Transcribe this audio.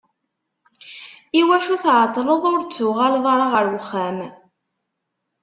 Iwacu tεeṭṭleḍ ur d-tuɣaleḍ ara ɣer uxxam?